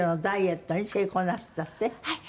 はい。